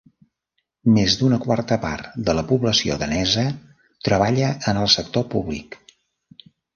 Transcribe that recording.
Més d'una quarta part de la població danesa treballa en el sector públic.